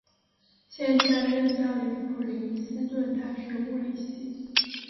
现在任教于普林斯顿大学物理系。